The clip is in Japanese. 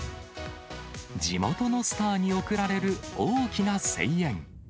地元のスターに送られる大きな声援。